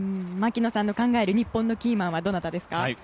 槙野さんの考える日本のキーマンはどなたですか？